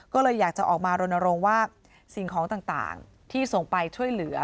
ก็เลยอยากจะออกมารณรงค์ว่าสิ่งของต่างที่ส่งไปช่วยเหลือ